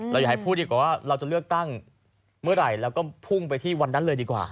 อยากให้พูดดีกว่าว่าเราจะเลือกตั้งเมื่อไหร่แล้วก็พุ่งไปที่วันนั้นเลยดีกว่า